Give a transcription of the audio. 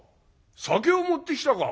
酒を持ってきたか？」。